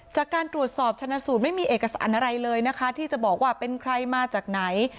จากการตรวจสอบชนะสูตรไม่มีเอกสารอะไรเลยนะคะที่จะบอกว่าเป็นใครมาจากไหน